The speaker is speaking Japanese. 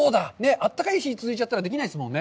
暖かい日が続いちゃったらできないですもんね？